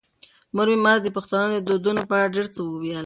مور مې ماته د پښتنو د دودونو په اړه ډېر څه وویل.